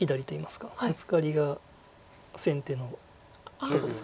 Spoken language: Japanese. ブツカリが先手のとこです。